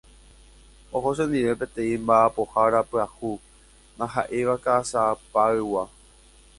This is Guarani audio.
Oho chendive peteĩ mba'apohára pyahu ndaha'éiva Ka'asapaygua.